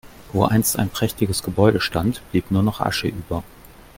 Wo einst ein prächtiges Gebäude stand, blieb nur noch Asche über.